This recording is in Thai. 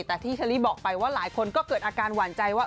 แต่ที่เชอรี่บอกไปว่าหลายคนก็เกิดอาการหวานใจว่า